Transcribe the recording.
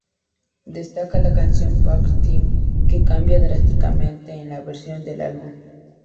Destaca la canción "park theme" que cambia drásticamente en la versión del álbum.